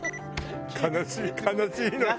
悲しい悲しいのよ。